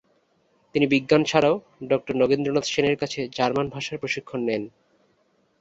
তিনি বিজ্ঞান ছাড়াও ডক্টর নগেন্দ্রনাথ সেনের কাছে জার্মান ভাষার প্রশিক্ষণ নেন।